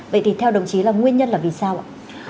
vậy thì theo đồng chí là nguyên nhân là vì sao ạ